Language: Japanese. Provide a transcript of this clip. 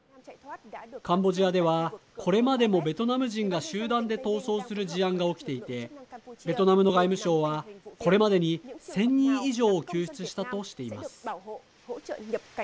カンボジアでは、これまでもベトナム人が集団で逃走する事案が起きていてベトナムの外務省は、これまでに１０００人以上を救出したとしています。